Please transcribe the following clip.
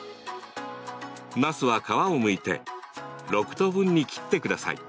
なすは皮をむいて６等分に切ってください。